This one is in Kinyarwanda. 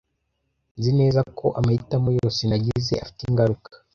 Nzi neza ko amahitamo yose nagize afite ingaruka.